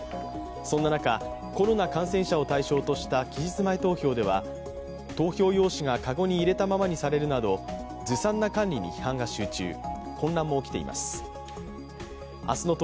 そんな中、コロナ感染者を対象とした期日前投票では、投票用紙がかごに入れたままにされるなどずさんな管理に批判が集中混乱も起きています。